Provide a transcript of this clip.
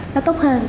nó tốt hơn